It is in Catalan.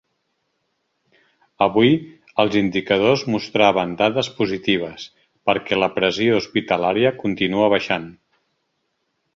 Avui, els indicadors mostraven dades positives, perquè la pressió hospitalària continua baixant.